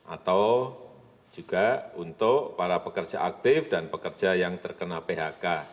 atau juga untuk para pekerja aktif dan pekerja yang terkena phk